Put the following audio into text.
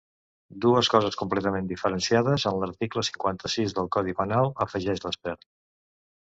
“Dues coses completament diferenciades en l’article cinquanta-sis del codi penal”, afegeix l’expert.